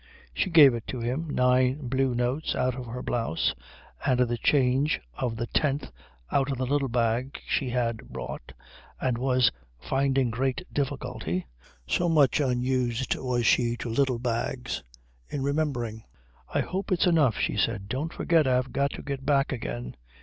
She gave it to him, nine blue notes out of her blouse and the change of the tenth out of a little bag she had brought and was finding great difficulty, so much unused was she to little bags, in remembering. "I hope it's enough," she said. "Don't forget I've got to get back again."